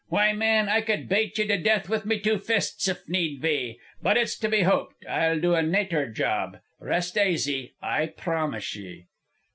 Why, man, I cud bate ye to death with me two fists if need be. But it's to be hoped I'll do a nater job. Rest aisy. I promise ye."